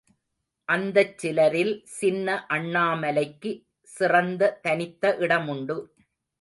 அந்தச் சிலரில் சின்ன அண்ணாமலைக்கு சிறந்த தனித்த இடமுண்டு.